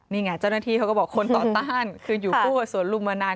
นี่ไงเจ้าหน้าที่เขาก็บอกคนต่อต้านคืออยู่คู่กับสวนลุมมานาน